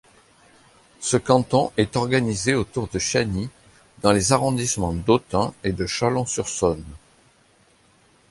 Ce canton est organisé autour de Chagny dans les arrondissements d'Autun et de Chalon-sur-Saône.